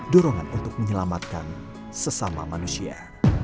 dorongan untuk menyelamatkan sesama manusia